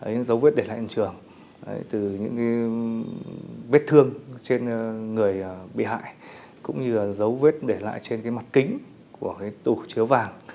những dấu vết để lại hiện trường từ những vết thương trên người bị hại cũng như dấu vết để lại trên mặt kính của tủ chứa vàng